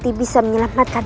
tidak akan pernah melepaskan